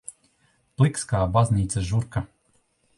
Pliks kā baznīcas žurka.